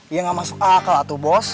iya gak masuk akal tuh bos